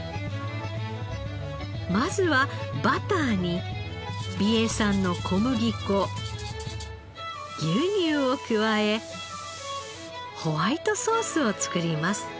まずはバターに美瑛産の小麦粉牛乳を加えホワイトソースを作ります。